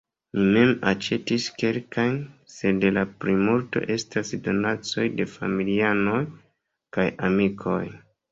Mi mem aĉetis kelkajn, sed la plimulto estas donacoj de familianoj kaj amikoj.